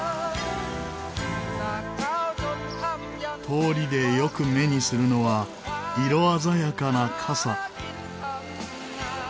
通りでよく目にするのは色鮮やかな傘。